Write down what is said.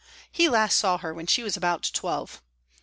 He last saw her when she was about twelve.